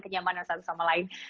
kenyamanan satu sama lain